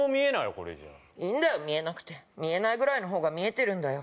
これじゃあいいんだよ見えなくて見えないぐらいの方が見えてるよ